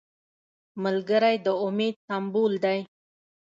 ملګری د امید سمبول دی